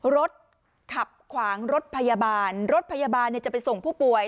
รถขับขวางรถพยาบาลรถพยาบาลจะไปส่งผู้ป่วย